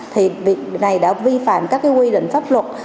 thì việc này đã vi phạm các quy định pháp luật